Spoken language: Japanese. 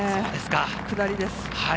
下りです。